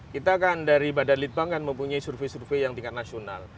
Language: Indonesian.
kita kan dari badan litbang kan mempunyai survei survei yang tingkat nasional